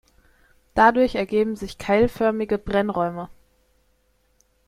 Dadurch ergeben sich keilförmige Brennräume.